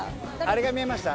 「あれが見えました。